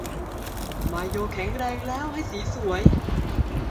มาโยแข็งแรงแล้วให้สีสวย